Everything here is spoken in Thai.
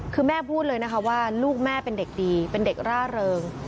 คือแม่พูดเลยนะคะว่าลูกแม่เป็นเด็กดีเป็นเด็กร่าเริง